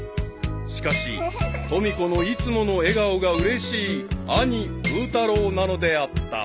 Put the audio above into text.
［しかしとみ子のいつもの笑顔がうれしい兄ブー太郎なのであった］